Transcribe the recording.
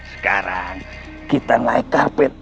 sekarang kita naik karpet